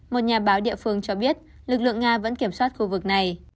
một nhà báo địa phương cho biết lực lượng nga vẫn kiểm soát khu vực này